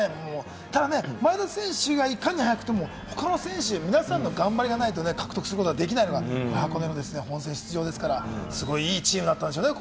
ただ、前田選手がいかに速くても、他の選手、皆さんの頑張りがないと獲得することができないのが箱根の本選出場ですから、すごい、いいチームだったんでしょうね